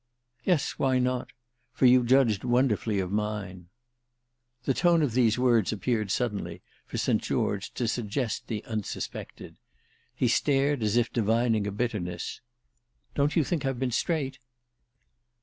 "Yes; why not? For you judged wonderfully of mine." The tone of these words appeared suddenly, for St. George, to suggest the unsuspected. He stared as if divining a bitterness. "Don't you think I've been straight?"